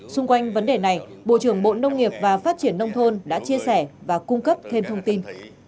xung quanh vấn đề này bộ trưởng bộ nông nghiệp và phát triển nông thôn đã chia sẻ và cung cấp thêm thông tin